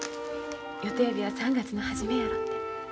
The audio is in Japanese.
予定日は３月の初めやろて。